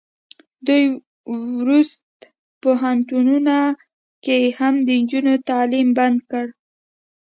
دوی ورسته پوهنتونونو کې هم د نجونو تعلیم بند